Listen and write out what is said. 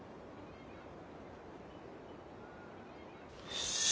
よし。